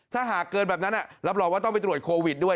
ถ้าหากเกินแบบนั้นรับรองว่าต้องไปตรวจโควิดด้วย